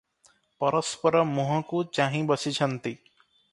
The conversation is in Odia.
ପରସ୍ପର ମୁହଁକୁ ଚାହିଁବସିଛନ୍ତି ।